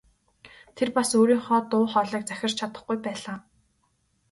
Тэр бас өөрийнхөө дуу хоолойг захирч чадахгүй байлаа.